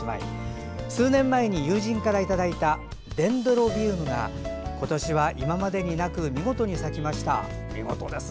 数年前に友人からいただいたデンドロビウムが今年は今までになく見事に咲きました。